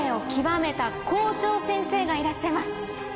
がいらっしゃいます。